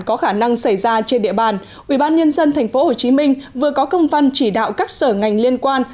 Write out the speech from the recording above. có khả năng xảy ra trên địa bàn ủy ban nhân dân tp hcm vừa có công văn chỉ đạo các sở ngành liên quan